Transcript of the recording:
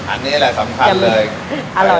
อันนี้แหละสำคัญเลย